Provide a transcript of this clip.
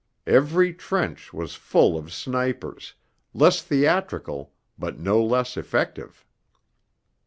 Every trench was full of snipers, less theatrical, but no less effective.